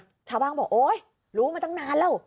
ชาวบ้านบอกโอ๊ยรู้มาตั้งนานแล้ว